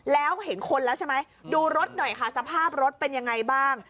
แล้วเห็นคนแล้วใช่ไหมดูรถหน่อยค่ะสภาพรถเป็นยังไงบ้าง